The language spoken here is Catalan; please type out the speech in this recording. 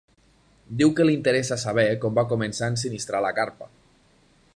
Diu que li interessa saber com va començar a ensinistrar la carpa.